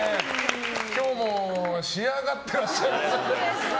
今日も仕上がっていらっしゃいます。